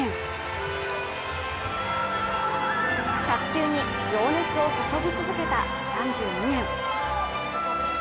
卓球に情熱を注ぎ続けた３２年。